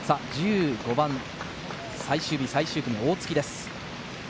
１５番に最終日最終組、大槻です。